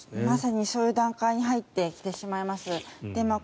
まさにそういう段階に入ってきてしまいます。